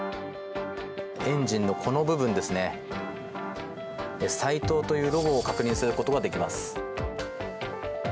エンジンのこの部分ですねＳＡＩＴＯというロゴを確認することができます。